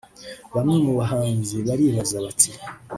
Bamwe mu bahanzi baribaza bati